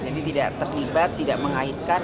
jadi tidak terlibat tidak mengayakkan